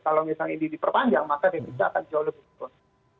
kalau misalnya ini diperpanjang maka dia juga akan jauh lebih ke depan